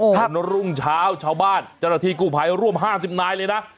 หัวหน้ารุ่งเช้าชาวบ้านจรฐีกู้ภัยร่วม๕๐นายเลยนะ